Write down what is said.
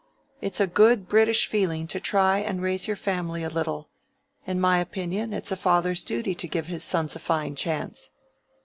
It's a good British feeling to try and raise your family a little: in my opinion, it's a father's duty to give his sons a fine chance."